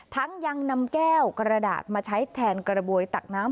ยังนำแก้วกระดาษมาใช้แทนกระบวยตักน้ำ